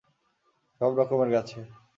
সব রকমের গাছে।